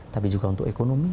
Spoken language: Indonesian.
tapi juga untuk ekonomi